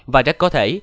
và rất có thể